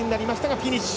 フィニッシュ！